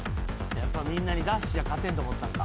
やっぱみんなにダッシュは勝てんって思ったんか。